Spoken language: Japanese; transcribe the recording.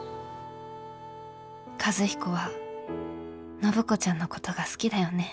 和彦は暢子ちゃんのことが好きだよね。